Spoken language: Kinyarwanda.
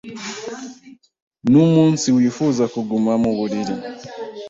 Numunsi wifuza kuguma mu buriri.